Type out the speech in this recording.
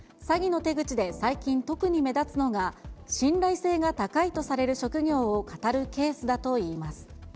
詐欺の手口で最近特に目立つのが信頼性が高いとされる職業をかたるケースだといいます。